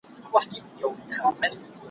له غمونو اندېښنو کله خلاصېږو